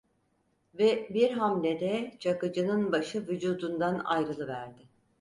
Ve bir hamlede Çakıcı'nın başı vücudundan ayrılıverdi.